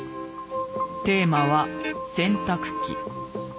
テーマは洗濯機。